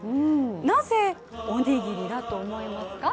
なぜ、おにぎりだと思いますか？